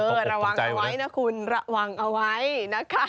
ระวังเอาไว้นะคุณระวังเอาไว้นะคะ